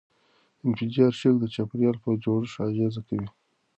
د انفجار شوک د چاپیریال په جوړښت اغېزه کوي.